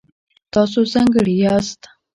تاسو ځانګړي یاست.